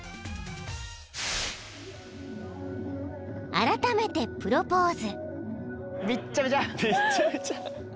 ［あらためてプロポーズ］